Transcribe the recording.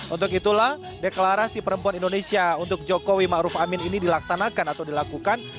untuk itulah deklarasi perempuan indonesia untuk jokowi ma'ruf amin ini dilaksanakan atau dilakukan